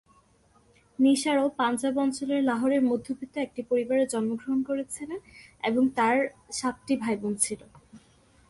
নিশা রাও পাঞ্জাব অঞ্চলের লাহোরের মধ্যবিত্ত একটি পরিবারে জন্মগ্রহণ করেছিলেন এবং তাঁর সাতটি ভাইবোন ছিল।